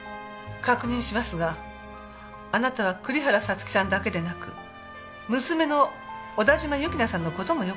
確認しますがあなたは栗原五月さんだけでなく娘の小田嶋由樹奈さんの事もよく知ってた。